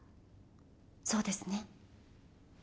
そうですね？